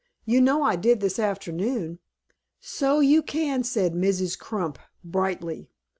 "You know I did this afternoon." "So you can," said Mrs. Crump, brightly.